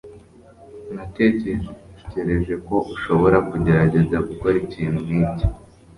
Natekereje ko ushobora kugerageza gukora ikintu nkicyo